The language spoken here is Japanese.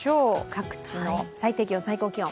各地の最低気温、最高気温。